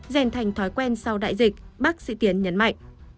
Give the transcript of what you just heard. rèn thành thói quen sau đại dịch bác sĩ tiến nhấn mạnh